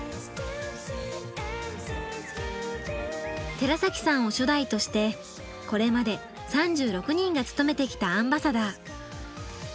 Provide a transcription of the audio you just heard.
寺崎さんを初代としてこれまで３６人が務めてきたアンバサダー。